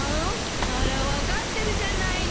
あら分かってるじゃないの。